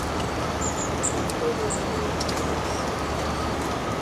His service was eventful.